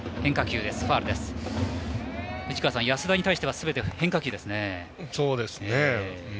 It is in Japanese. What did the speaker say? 安田に関してはすべて変化球ですね。